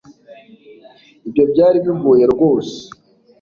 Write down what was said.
ibyo byari bigoye rwose